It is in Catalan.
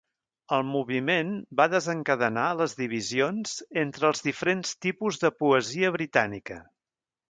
El Moviment va desencadenar les divisions entre els diferents tipus de poesia britànica.